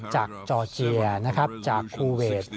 จากจอร์เจียนะครับจากคูเวท